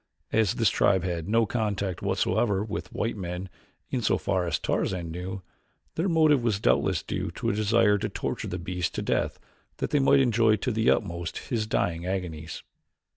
As this tribe had no contact whatsoever with white men in so far as Tarzan knew, their motive was doubtless due to a desire to torture the beast to death that they might enjoy to the utmost his dying agonies.